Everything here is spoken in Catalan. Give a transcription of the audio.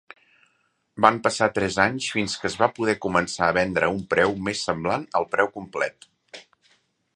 Van passar tres anys fins que es va poder començar a vendre a un preu més semblant al preu complet.